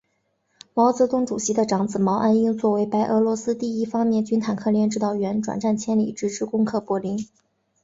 毛泽东主席的长子毛岸英作为白俄罗斯第一方面军坦克连指导员，转战千里，直至攻克柏林。